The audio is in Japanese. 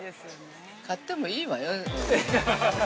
買ってもいいわよ。